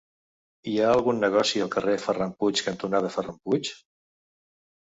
Hi ha algun negoci al carrer Ferran Puig cantonada Ferran Puig?